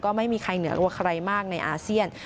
ไม่มีใครเหนือรัวใครมากในอาเซียน